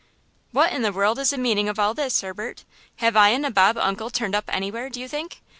"What in the world is the meaning of all this, Herbert? Have I a nabob uncle turned up anywhere, do you think?